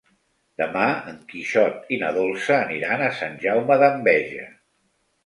Demà en Quixot i na Dolça aniran a Sant Jaume d'Enveja.